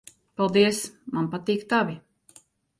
Paldies. Man patīk tavi.